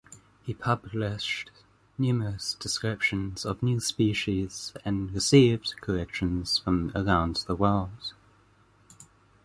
He published numerous descriptions of new species and received collections from around the world.